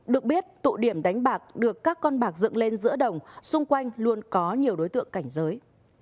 được biết tụ điểm đánh bạc được các con bạc dựng lên giữa đồng xung quanh luôn có nhiều đối tượng cảnh giới